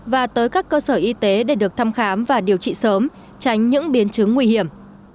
và tới các cơ sở y tế để được thăm khám và điều trị sớm tránh những biến chứng nguy hiểm